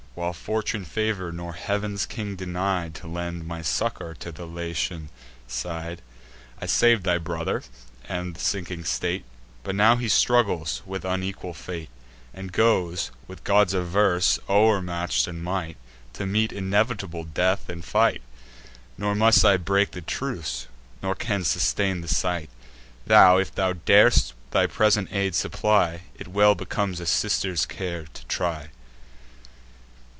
While fortune favour'd, nor Heav'n's King denied To lend my succour to the Latian side, I sav'd thy brother, and the sinking state: But now he struggles with unequal fate, And goes, with gods averse, o'ermatch'd in might, To meet inevitable death in fight; Nor must I break the truce, nor can sustain the sight. Thou, if thou dar'st thy present aid supply; It well becomes a sister's care to try."